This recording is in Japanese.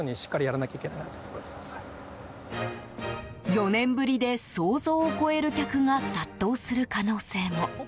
４年ぶりで、想像を超える客が殺到する可能性も。